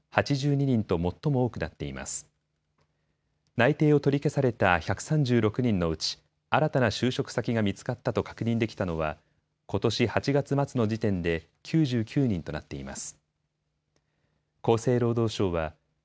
内定を取り消された１３６人のうち、新たな就職先が見つかったと確認できたのは、ことし８月末の時点で９９人となっています。